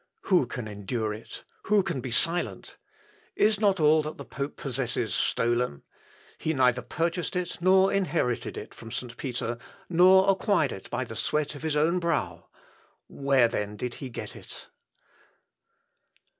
Who can endure it? Who can be silent? Is not all that the pope possesses stolen? He neither purchased it nor inherited it from St. Peter, nor acquired it by the sweat of his own brow. Where then did he get it?"